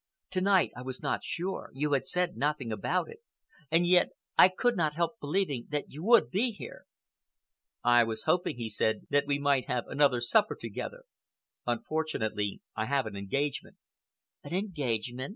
To night I was not sure. You had said nothing about it, and yet I could not help believing that you would be here." "I was hoping," he said, "that we might have another supper together. Unfortunately, I have an engagement." "An engagement?"